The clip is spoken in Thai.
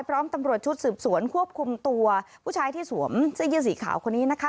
พร้อมตำรวจชุดสืบสวนควบคุมตัวผู้ชายที่สวมซียีสีขาวคนนี้นะคะ